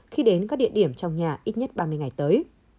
khi đến các địa điểm trong nhà ít nhất ba mươi ngày tới